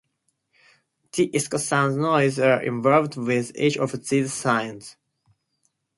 The eicosanoids are involved with each of these signs.